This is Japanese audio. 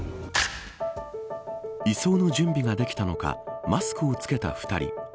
移送の準備ができたのかマスクを着けた２人。